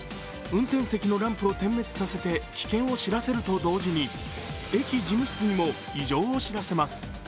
運転席のランプを点滅させて危険を知らせると同時に、駅事務室にも異常を知らせます。